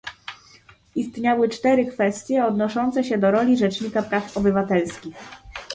Istniały cztery kwestie odnoszące się do roli Rzecznika Praw Obywatelskich